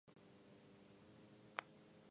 ザールラント州の州都はザールブリュッケンである